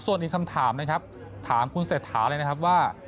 ส่วนอีกคำถามนะครับถามคุณเศรษฐาเลยนะครับว่า